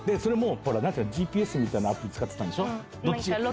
でＧＰＳみたいなアプリ使ってたんでしょ？